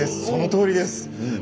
そのとおりです。